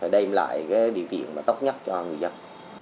đem lại điều kiện tốt nhất cho người dân